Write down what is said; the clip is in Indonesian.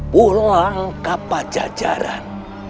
pulang ke pajajaran